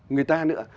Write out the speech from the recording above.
người ta nữa